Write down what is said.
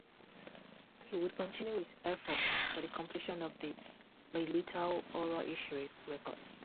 He would continue his efforts for the completion of the "Meilitao Oral History Records".